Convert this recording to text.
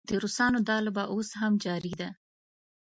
د روسانو دا لوبه اوس هم جاري ده.